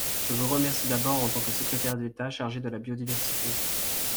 Je vous remercie d’abord en tant que secrétaire d’État chargée de la biodiversité.